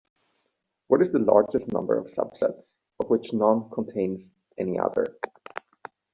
What is the largest number of subsets of which none contains any other?